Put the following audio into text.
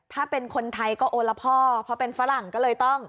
ถ้าเป็นคนไทยก็โอละพ่อเพราะเป็นฝรั่งก็เลยต้อง